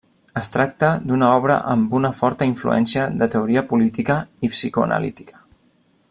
Es tracta d’una obra amb una forta influència de teoria política i psicoanalítica.